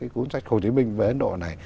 cuốn sách hồ chí minh về ấn độ này